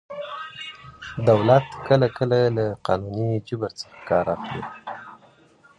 دولت کله کله له قانوني جبر څخه کار اخلي.